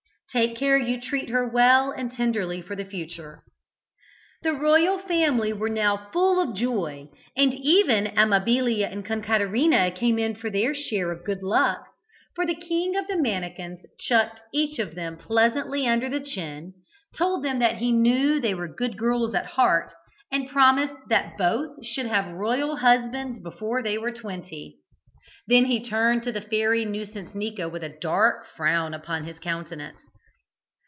Take care you treat her well and tenderly for the future. "The royal family were now full of joy, and even Amabilia and Concaterina came in for their share of good luck, for the King of the Mannikins chucked each of them pleasantly under the chin, told them that he knew they were good girls at heart, and promised that both should have royal husbands before they were twenty. Then he turned to the fairy Nuisancenika with a dark frown upon his countenance.